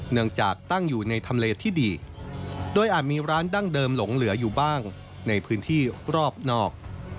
เนื่องจากตั้งอยู่ในทำเลที่ดีโดยอาจมีร้านดั้งเดิมหลงเหลืออยู่บ้างในพื้นที่รอบนอก